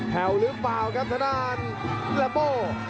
แหลวหรือเปล่าครับสนานเรโบ